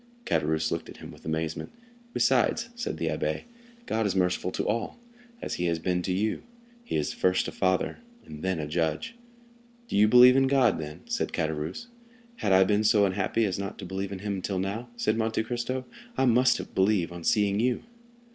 Caderousse looked at him with amazement. "Besides," said the abbé, "God is merciful to all, as he has been to you; he is first a father, then a judge." "Do you then believe in God?" said Caderousse. "Had I been so unhappy as not to believe in him until now," said Monte Cristo, "I must believe on seeing you."